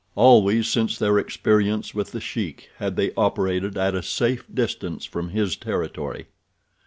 Always since their experience with The Sheik had they operated at a safe distance from his territory.